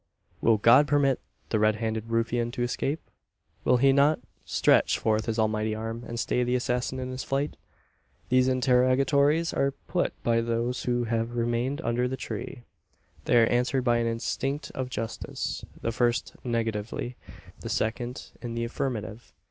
Will God permit the red handed ruffian to escape? Will He not stretch forth His almighty arm, and stay the assassin in his flight? These interrogatories are put by those who have remained under the tree. They are answered by an instinct of justice the first negatively, the second in the affirmative.